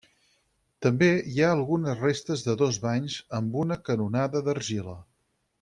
També hi ha algunes restes de dos banys amb una canonada d'argila.